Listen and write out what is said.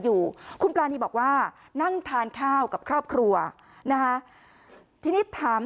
อยู่คุณปรานีบอกว่านั่งทานข้าวกับครอบครัวนะคะทีนี้ถาม